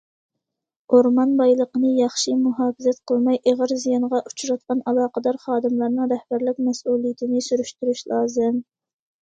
ئورمان بايلىقىنى ياخشى مۇھاپىزەت قىلماي ئېغىر زىيانغا ئۇچراتقان ئالاقىدار خادىملارنىڭ رەھبەرلىك مەسئۇلىيىتىنى سۈرۈشتۈرۈش لازىم.